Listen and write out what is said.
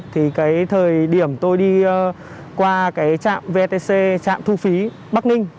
thì cái thời điểm tôi đi qua cái trạm vetc trạm thu phí bắc ninh